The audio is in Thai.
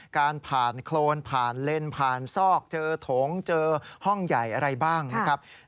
การผ่านโครนผ่านเลนผ่านซอกเจอโถงเจอห้องใหญ่อะไรบ้างนะครับ